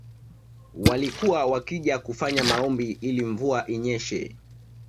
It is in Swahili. Walikuwa wakija kufanya maombi ili mvua inyeshe